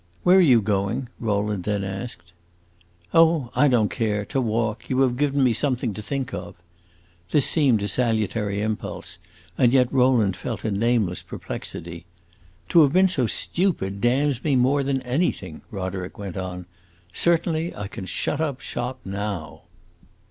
"Where are you going?" Rowland then asked. "Oh, I don't care! To walk; you have given me something to think of." This seemed a salutary impulse, and yet Rowland felt a nameless perplexity. "To have been so stupid damns me more than anything!" Roderick went on. "Certainly, I can shut up shop now."